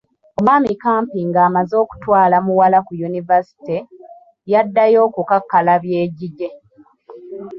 Omwami Kampi ng’amaze okutwala muwala ku yunivasite, yaddayo okukakkalabya egigye.